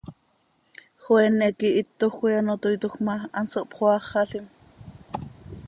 Joeene quih hitoj coi ano toiitoj ma, hanso hpmoaaxalim.